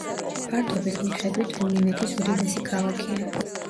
ფართობის მიხედვით რუმინეთის უდიდესი ქალაქია.